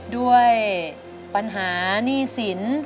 ด้วยปัญหาหนี้สิน